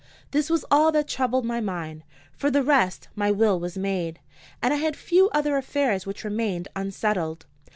This was all that troubled my mind. For the rest, my will was made, and I had few other affairs which remained unsettled.